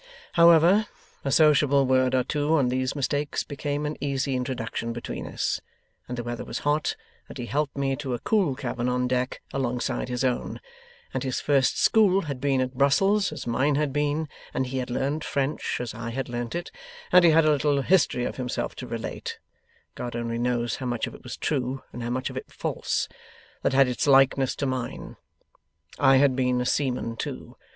'However, a sociable word or two on these mistakes became an easy introduction between us, and the weather was hot, and he helped me to a cool cabin on deck alongside his own, and his first school had been at Brussels as mine had been, and he had learnt French as I had learnt it, and he had a little history of himself to relate God only knows how much of it true, and how much of it false that had its likeness to mine. I had been a seaman too.